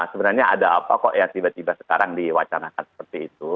sebenarnya ada apa kok yang tiba tiba sekarang diwacanakan seperti itu